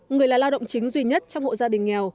người là lao động chính duy nhất trong hộ gia đình nghèo